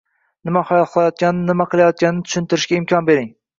nima xohlayotganingni, nima qilayotganingni tushuntirishiga imkon bering.